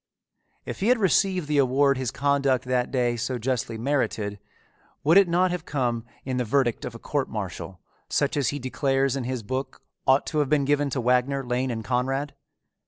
If he had received the award his conduct that day so justly merited, would it not have come in the verdict of a court martial such as he declares in his book ought to have been given to Wagner, Lane, and Conrad?